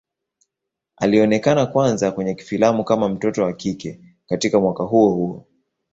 Alionekana kwanza kwenye filamu kama mtoto wa kike katika mwaka huo huo.